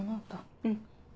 うん。